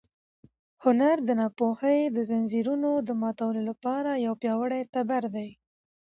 هنر د ناپوهۍ د ځنځیرونو د ماتولو لپاره یو پیاوړی تبر دی.